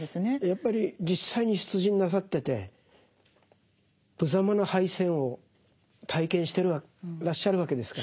やっぱり実際に出陣なさっててぶざまな敗戦を体験してらっしゃるわけですから。